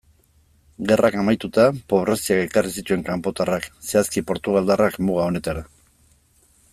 Gerrak amaituta, pobreziak ekarri zituen kanpotarrak, zehazki portugaldarrak, muga honetara.